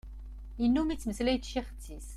Yennum yettmeslay d tcixet-is.